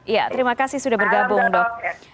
iya terima kasih sudah bergabung dok